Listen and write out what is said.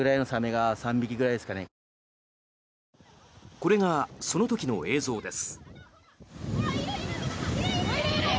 これがその時の映像です。